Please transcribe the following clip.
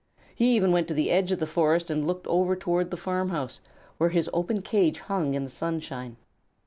He even went to the edge of the forest and looked over toward the farmhouse, where his open cage hung in the sunshine.